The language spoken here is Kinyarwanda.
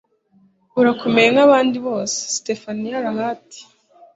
urakomeye nk'abandi bose - stephanie lahart